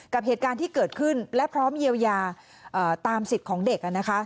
กับเหตุการณ์ที่เกิดขึ้นและพร้อมเยียวยาตามสิทธิ์ของเด็ก